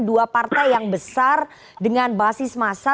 dua partai yang besar dengan basis masa